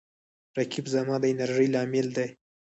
رقیب زما د انرژۍ لامل دی